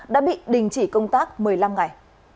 đã bị đình chỉ công tác một mươi năm ngày